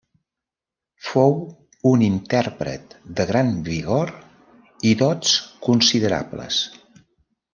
Fou un intèrpret de gran vigor i dots considerables.